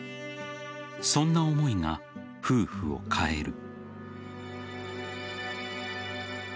そんな思いが夫婦を変える。